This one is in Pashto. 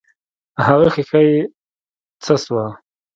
هغه ښيښه يې څه سوه.